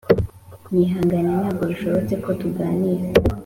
nyihanganira ntabwo bishobotse ko tuganira